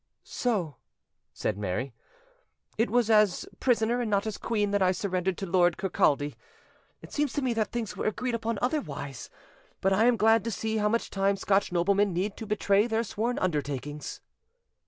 "So," said Mary, "it was as prisoner and not as queen that I surrendered to Lord Kirkcaldy. It seems to me that things were agreed upon otherwise; but I am glad to see how much time Scotch noblemen need to betray their sworn undertakings".